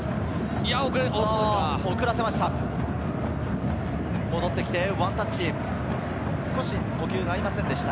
遅らせました。